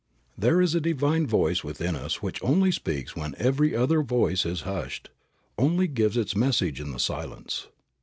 There is a divine voice within us which only speaks when every other voice is hushed, only gives its message in the silence.